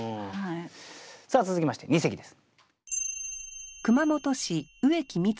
さあ続きまして二席です。